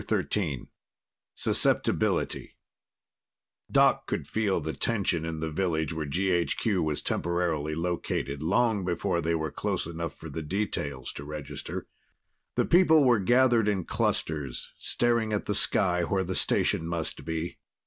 XIII Susceptibility Doc could feel the tension in the village where GHQ was temporarily located long before they were close enough for details to register. The people were gathered in clusters, staring at the sky where the station must be.